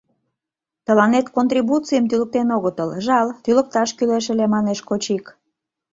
— Тыланет контрибуцийым тӱлыктен огытыл, жал, тӱлыкташ кӱлеш ыле, — манеш Кочик.